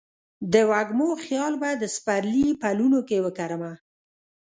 د وږمو خیال به د سپرلي پلونو کې وکرمه